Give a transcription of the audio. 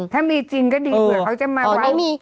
ถ้ามีจีนก็ดีเผื่อเขาจะมาวาง